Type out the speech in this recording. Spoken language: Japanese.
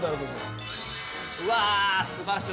◆うわ、すばらしい。